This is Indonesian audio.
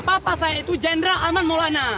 bapak saya itu general alman moulana